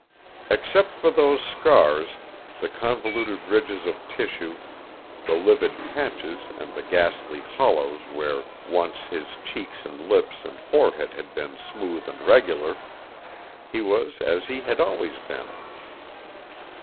Except for those scars, the convoluted ridges of tissue, the livid patches and the ghastly hollows where once his cheeks and lips and forehead had been smooth and regular, he was as he had always been.